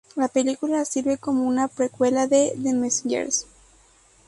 La película sirve como una precuela de The Messengers".